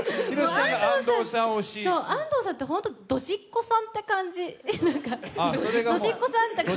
安藤さんって、本当にドジっ子さんって感じ。